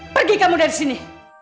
pergi kamu dari sini